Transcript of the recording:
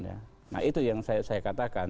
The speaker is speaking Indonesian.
nah itu yang saya katakan